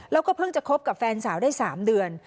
แล้วก็เพิ่งจะคบกับแฟนสาวได้๓เดือน